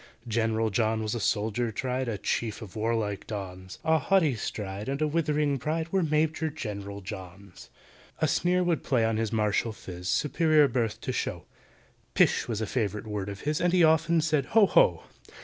GENERAL JOHN was a soldier tried, A chief of warlike dons; A haughty stride and a withering pride Were MAJOR GENERAL JOHN'S. A sneer would play on his martial phiz, Superior birth to show; "Pish!" was a favourite word of his, And he often said "Ho! ho!"